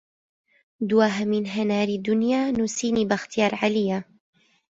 دواهەمین هەناری دونیا نوسینی بەختیار عەلییە